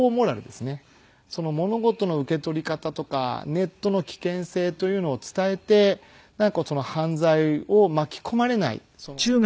物事の受け取り方とかネットの危険性というのを伝えて何かその犯罪を巻き込まれないその情報モラルを。